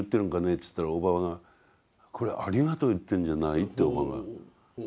っつったらおばがこれは「ありがとう言ってるんじゃない」って言ったんですよ。